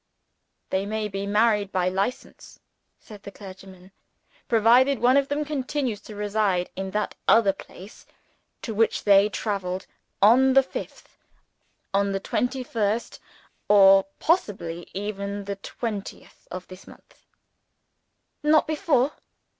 "They may be married by License," said the clergyman "provided one of them continues to reside in that other place to which they traveled on the fifth on the twenty first, or (possibly) even the twentieth of this month." "Not before?"